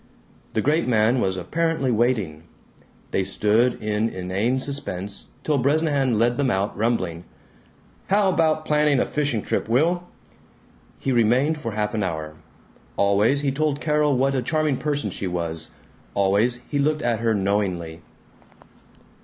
The great man was apparently waiting. They stood in inane suspense till Bresnahan led them out, rumbling, "How about planning a fishing trip, Will?" He remained for half an hour. Always he told Carol what a charming person she was; always he looked at her knowingly.